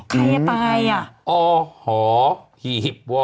ใครจะตาย